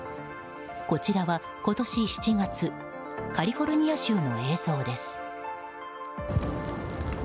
こちらは今年７月カリフォルニア州の映像です。